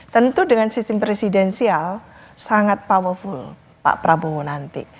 tentu dengan sistem presidensial sangat powerful pak prabowo nanti